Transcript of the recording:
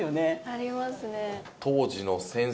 ありますね。